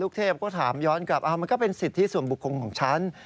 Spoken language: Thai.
ลูกเทพก็ถามย้อนกลับอ่ามันก็เป็นศิษย์ที่ส่วนบุคคลของฉัน